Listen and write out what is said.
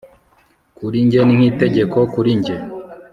kurijye ni nkitegeko kurijye